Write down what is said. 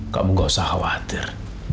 kamu gak usah khawatir